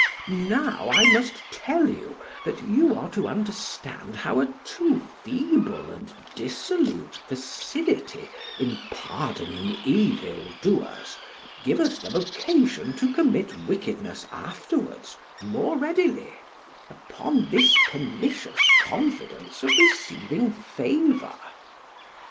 Now I must tell you, that you are to understand how a too feeble and dissolute facility in pardoning evildoers giveth them occasion to commit wickedness afterwards more readily, upon this pernicious confidence of receiving favour.